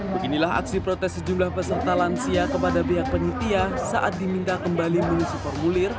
beginilah aksi protes sejumlah peserta lansia kepada pihak penitia saat diminta kembali mengisi formulir